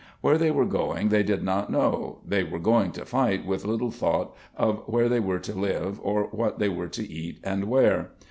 Where they were going they did not know, they were going to fight with little thought of where they were to live or what they were to eat and wear.